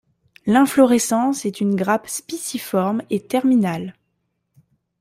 L'inflorescence est une grappe spiciforme et terminale.